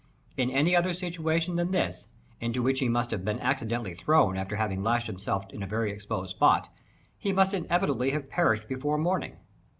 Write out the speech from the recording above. In any other situation than this (into which he had been accidentally thrown after having lashed himself in a very exposed spot) he must inevitably have perished before morning.